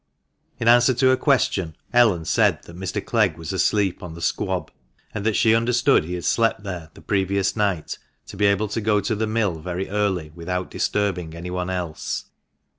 359 In answer to a question, Ellen said that Mr. Clegg was asleep on the squab, and that she understood he had slept there the previous night, to be able to go to the mill very early without disturbing anyone else.